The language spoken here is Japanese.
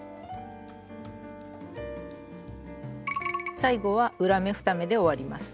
最後は裏目２目で終わります。